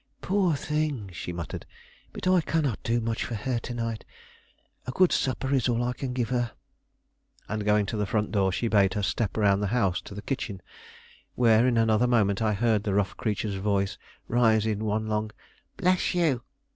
"Poor thing!" she muttered; "but I cannot do much for her to night. A good supper is all I can give her." And, going to the front door, she bade her step round the house to the kitchen, where, in another moment, I heard the rough creature's voice rise in one long "Bless you!"